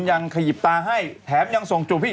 ภาษีประชาชน